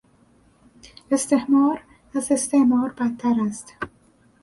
استحمار از استعمار بدتر است